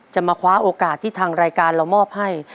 จะมาคว้าโอกาสที่ทางรายการเรามอบให้